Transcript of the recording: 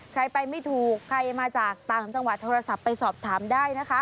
ใครไปไม่ถูกใครมาจากต่างจังหวัดโทรศัพท์ไปสอบถามได้นะคะ